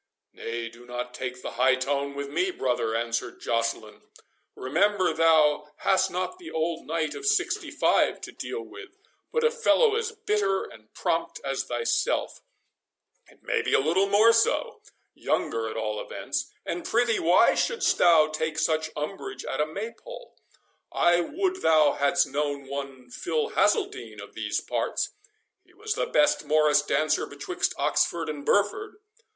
"Nay, do not take the high tone with me, brother" answered Joceline; "remember thou hast not the old knight of sixty five to deal with, but a fellow as bitter and prompt as thyself—it may be a little more so— younger, at all events—and prithee, why shouldst thou take such umbrage at a Maypole? I would thou hadst known one Phil Hazeldine of these parts—He was the best morris dancer betwixt Oxford and Burford."